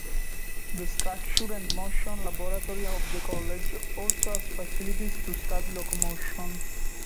The Structure and Motion Laboratory of the College also has facilities to study locomotion.